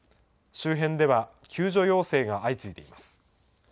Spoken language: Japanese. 周辺では救助要請が相次いでいます。